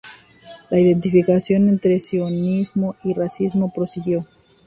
La identificación entre sionismo y racismo prosiguió.